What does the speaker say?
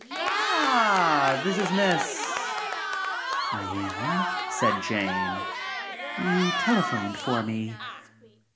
"Ah, this is Miss —?" "I am," said Jane, "you telephoned for me."